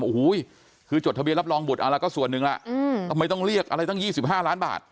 โอ้โหคือจดทะเบียนรับรองบุตรอะไรก็ส่วนหนึ่งล่ะทำไมต้องเรียกอะไรตั้ง๒๕ล้านบาท